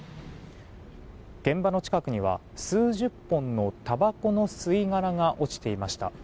現場の近くには数十本のたばこの吸い殻が落ちていました。